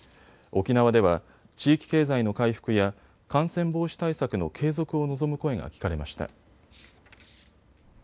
沖縄では地域経済の回復や感染防止対策の継続を望む声が聞かれました。